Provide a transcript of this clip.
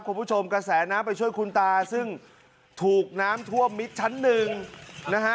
คุณผู้ชมกระแสน้ำไปช่วยคุณตาซึ่งถูกน้ำท่วมมิดชั้นหนึ่งนะฮะ